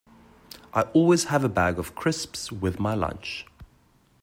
I always have a bag of crisps with my lunch